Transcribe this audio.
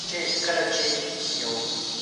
سم نیت ځواک نه زیانمنوي.